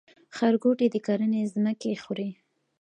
ښارګوټي د کرنې ځمکې خوري؟